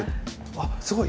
あっすごい。